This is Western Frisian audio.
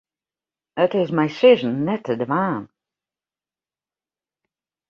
It is mei sizzen net te dwaan.